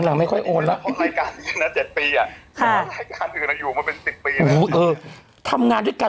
หลังไม่ค่อยโอนละ